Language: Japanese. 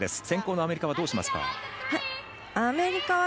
先攻のアメリカはどうしますか？